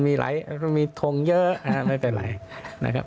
มีหลายมีทงเยอะไม่เป็นไรนะครับ